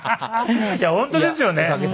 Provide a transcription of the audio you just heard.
いや本当ですよね。